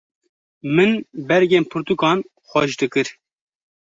Min bergên pirtûkan xweş dikir.